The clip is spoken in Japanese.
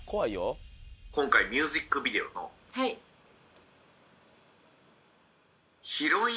今回ミュージックビデオの。